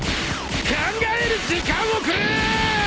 考える時間をくれ！